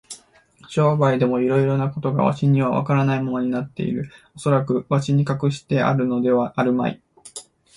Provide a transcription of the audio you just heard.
商売でもいろいろなことがわしにはわからないままになっている。おそらくわしに隠してあるのではあるまい。